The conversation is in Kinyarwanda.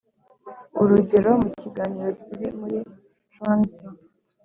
urugero, mu kiganiro kiri muri chuang tzu,